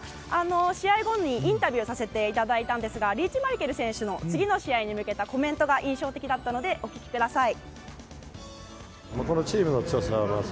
試合後にインタビューさせていただいたんですがリーチマイケル選手の次の試合に向けたコメントが印象的だったのでお聞きください。